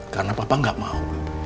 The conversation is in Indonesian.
karena papa gak mau